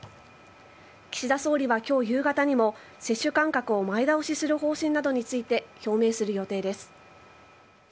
岸田総理は今日夕方にも接種間隔を前倒しする方針などについて表明する予定です。